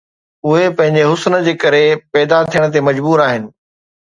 اهي پنهنجي حسن جي ڪري پيدا ٿيڻ تي مجبور آهن